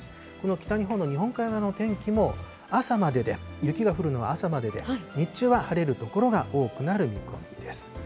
北日本の日本海側の天気も朝までで、雪が降るのは朝までで、日中は晴れる所が多くなる見込みです。